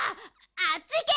あっちいけ！